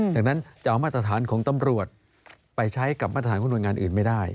ดังนั้นจะเอามาตรฐานของตำรวจไปใช้กับมาตรฐานของหน่วยงานอื่นไม่ได้